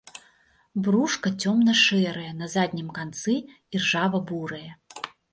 Брушка цёмна-шэрае, на заднім канцы іржава-бурае.